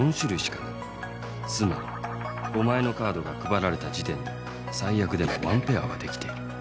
つまり５枚のカードが配られた時点で最悪でも１ペアはできている。